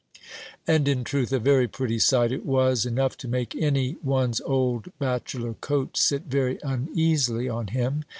And, in truth, a very pretty sight it was enough to make any one's old bachelor coat sit very uneasily on him.